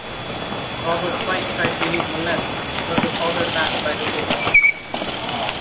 Robert twice tried to leave Molesme but was ordered back by the Pope.